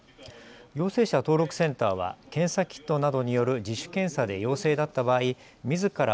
陽性者登録センターは検査キットなどによる自主検査で陽性だった場合、みずから